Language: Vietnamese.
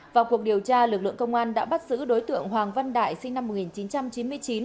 vào cuộc điều tra lực lượng công an đã bắt giữ đối tượng hoàng văn đại sinh năm một nghìn chín trăm chín mươi chín